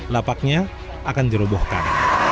lapaknya akan dirobohkan